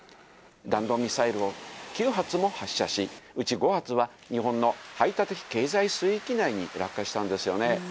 弾道ミサイルを９発も発射し、うち５発は、日本の排他的経済水域内に落下したんですよね。